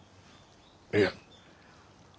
いや。